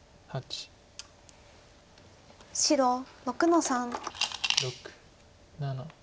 白６の三。